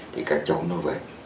thì các cháu nói vậy